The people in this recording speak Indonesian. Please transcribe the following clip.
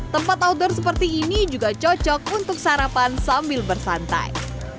tempat outdoor seperti ini juga cocok untuk sarapan sambil bersantai